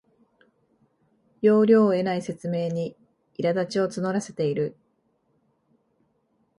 要領を得ない説明にいらだちを募らせている